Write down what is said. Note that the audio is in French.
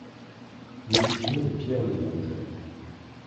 L'édition de Pierre Le Rouge.